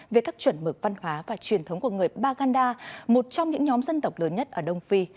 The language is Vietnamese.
về các chuẩn mực văn hóa và truyền thống của người baganda một trong những nhóm dân tộc lớn nhất ở đông phi